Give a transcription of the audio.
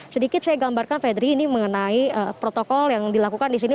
sedikit saya gambarkan fedri ini mengenai protokol yang dilakukan di sini